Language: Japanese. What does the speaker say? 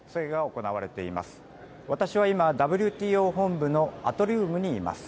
私は今、ＷＴＯ本部のアトリウムにいます。